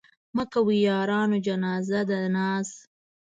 مه کوئ يارانو جنازه د ناز